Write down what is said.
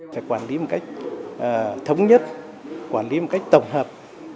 phải quản lý một cách thống nhất quản lý một cách tổng hợp